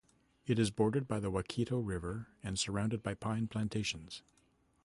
It is bordered by the Waikato River and surrounded by pine plantations.